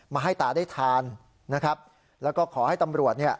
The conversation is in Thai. มาให้ตาได้ทานนะครับแล้วก็ขอให้ตำรวจเนี่ย